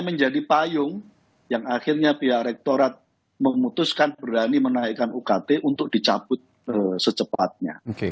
menjadi payung yang akhirnya pihak rektorat memutuskan berani menaikkan ukt untuk dicabut secepatnya